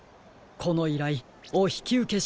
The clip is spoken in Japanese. このいらいおひきうけしましょう。